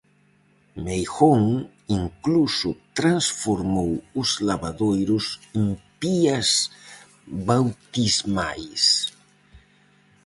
Meijón incluso transformou os lavadoiros en pías bautismais.